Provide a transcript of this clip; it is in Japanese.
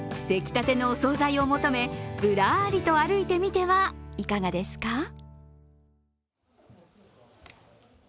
出来たてのお総菜を求めぶらりと歩いてみてはいかがですか？